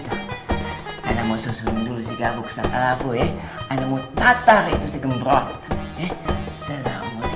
karena mau susun dulu sih gabung setelah gue aneh mutatar itu si gembrot selama lamanya